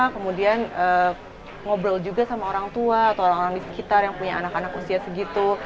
kemudian ngobrol juga sama orang tua atau orang orang di sekitar yang punya anak anak usia segitu